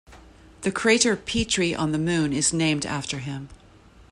The crater Petrie on the Moon is named after him.